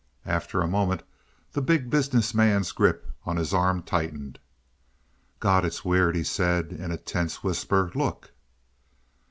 After a moment the Big Business Man's grip on his arm tightened. "God, it's weird!" he said in a tense whisper. "Look!"